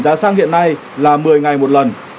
giá xăng hiện nay là một mươi ngày một lần